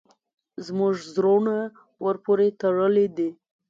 زموږ زړونه ورپورې تړلي دي.